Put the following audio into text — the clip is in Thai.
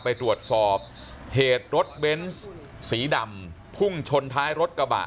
ไปตรวจสอบเหตุรถเบนส์สีดำพุ่งชนท้ายรถกระบะ